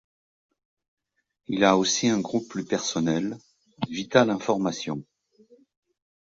Il a aussi un groupe plus personnel, Vital Information.